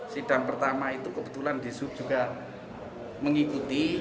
sidang pertama itu kebetulan disub juga mengikuti